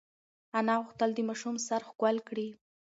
انا غوښتل چې د ماشوم سر ښکل کړي.